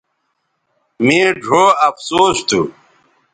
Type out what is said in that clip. مے ڙھؤ افسوس تھو